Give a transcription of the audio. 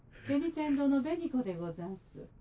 天堂の紅子でござんす。